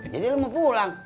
jadi lu mau pulang